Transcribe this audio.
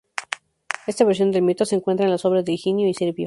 Esta versión del mito se encuentra en las obras de Higino y Servio.